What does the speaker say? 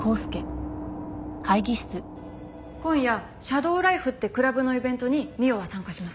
今夜シャドーライフってクラブのイベントに未央は参加します。